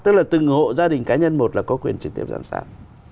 tức là từng hộ gia đình cá nhân một là có quyền trực tiếp giám sát